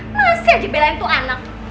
masih aja belain itu anak